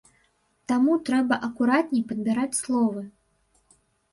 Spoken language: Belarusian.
Таму трэба акуратней падбіраць словы.